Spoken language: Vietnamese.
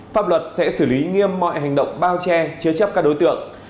pháp luật sẽ xử lý nghiêm mọi hành động bao che chứa chấp các đối tượng